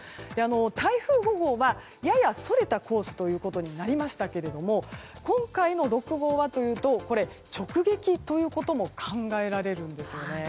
台風５号はややそれたコースということになりましたが今回の６号はというと直撃ということも考えられるんですよね。